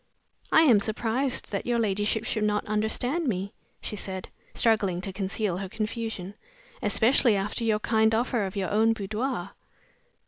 "I am surprised that your ladyship should not understand me," she said, struggling to conceal her confusion. "Especially after your kind offer of your own boudoir."